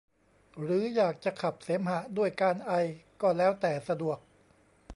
หรืออยากจะขับเสมหะด้วยการไอก็แล้วแต่สะดวก